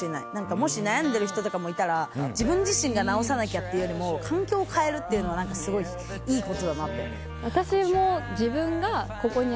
もし悩んでる人とかもいたら自分自身が直さなきゃっていうよりも環境を変えるっていうのは何かすごいいいことだなって。